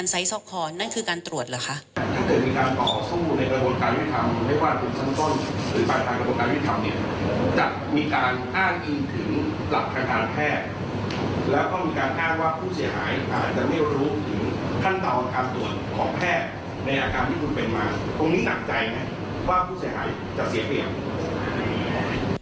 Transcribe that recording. ตรงนี้หนักใจไหมว่าผู้เสียหายจะเสียเพลีย